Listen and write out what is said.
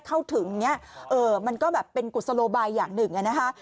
เข้าถึงอย่างนี้เออมันก็แบบเป็นกุศโลไบข์อย่างหนึ่งอะนะฮะ